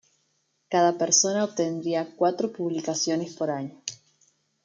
Cada persona obtendría cuatro publicaciones por año.